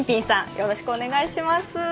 よろしくお願いします、